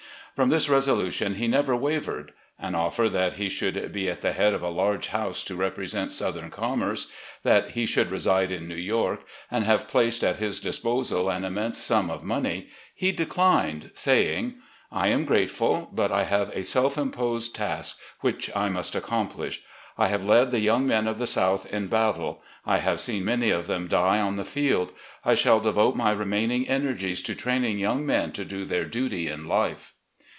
From this resolution he never wavered. An offer that he should be at the head of a large house to represent southern commerce, that he should reside in New York, and have placed at his disposal an immense sum of money, he declined, saying: " I am grateful, but I have a self imposed task which I must accomplish. I have led the young men of the South in battle; I have seen many of them die on the field; I shall devote my remaining energies to training yotmg men to do their duty in life."